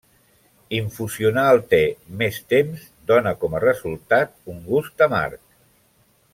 Infusionar el te més temps dóna com a resultat un gust amarg.